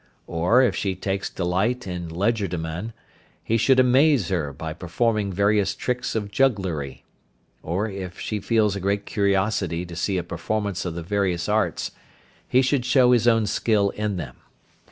Or if she takes delight in legerdemain, he should amaze her by performing various tricks of jugglery; or if she feels a great curiosity to see a performance of the various arts, he should show his own skill in them.